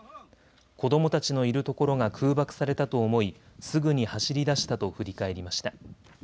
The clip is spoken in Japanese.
子どもたちのいるところが空爆されたと思いすぐに走り出したと振り返りました。